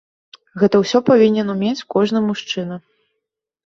Гэта ўсё павінен умець кожны мужчына.